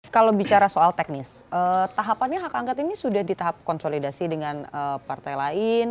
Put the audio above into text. kalau bicara soal teknis tahapannya hak angket ini sudah di tahap konsolidasi dengan partai lain